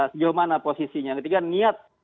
sejauh mana posisinya ketika niat